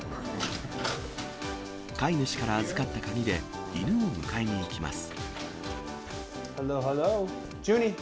飼い主から預かった鍵で、犬を迎えに行きます。